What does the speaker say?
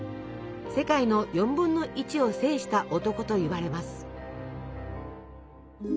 世界の４分の１を制した男といわれます。